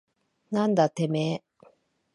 なんだてめえ。